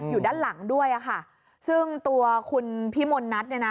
อยู่ด้านหลังด้วยอ่ะค่ะซึ่งตัวคุณพี่มนนัทเนี่ยนะ